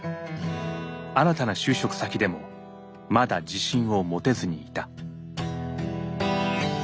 新たな就職先でもまだ自信を持てずにいた。